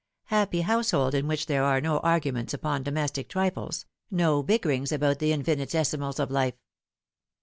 Happy household in which there are no arguments upon domestic trifles, no bickerings about the infinitesimals of lif e